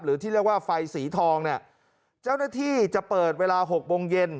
ที่เรียกว่าไฟสีทองเนี่ยเจ้าหน้าที่จะเปิดเวลาหกโมงเย็น